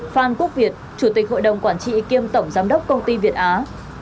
phan quốc việt chủ tịch hội đồng quản trị kiêm tổng giám đốc công ty việt á